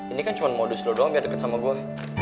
ini kan cuma modus dulu doang ya deket sama gue